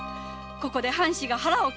ここで藩士が腹を。